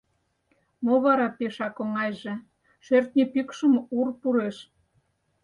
«Мо вара пешак оҥайже Шӧртньӧ пӱкшым ур пуреш!